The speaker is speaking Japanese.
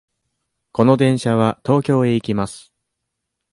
この電車は東京へ行きます。